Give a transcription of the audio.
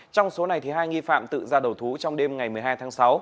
trong số này hai nghi phạm tự ra đầu thú trong đêm ngày một mươi hai tháng sáu